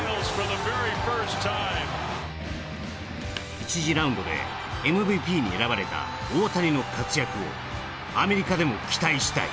１次ラウンドでＭＶＰに選ばれた大谷の活躍をアメリカでも期待したい。